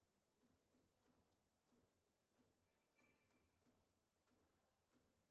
watoto hao walikuwa wanazungumza lugha ya kifaransa